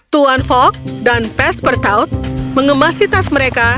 tuan fogg dan pes bertaut mengemasi tas mereka